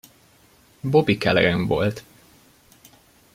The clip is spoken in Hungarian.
Bobby Calaghan volt.